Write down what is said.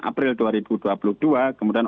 april dua ribu dua puluh dua kemudian